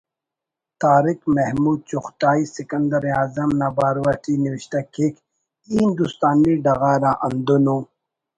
طارق محمود چغتائی سکندر اعظم نا بارو اٹی نوشتہ کیک ”ای ہندوستانی ڈغار آہندن ءُ